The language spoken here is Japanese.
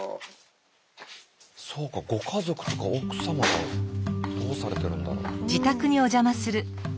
そうかご家族とか奥様どうされてるんだろう。